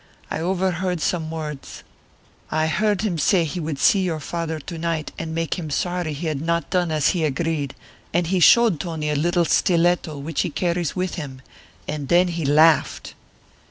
I overheard some words. I heard him say he would see your father to night and make him sorry he had not done as he agreed, and he showed Tony a little stiletto which he carries with him, and then he laughed."